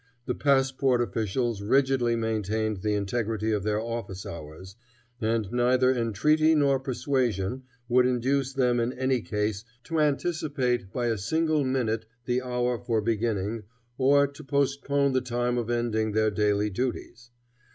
The passport officials rigidly maintained the integrity of their office hours, and neither entreaty nor persuasion would induce them in any case to anticipate by a single minute the hour for beginning, or to postpone the time of ending their daily duties.